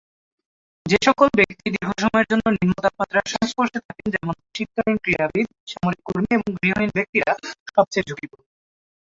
যে সকল ব্যক্তি দীর্ঘ সময়ের জন্য নিম্ন তাপমাত্রার সংস্পর্শে থাকেন যেমন, শীতকালীন ক্রীড়াবিদ, সামরিক কর্মী, এবং গৃহহীন ব্যক্তিরা সবচেয়ে ঝুঁকিপূর্ণ।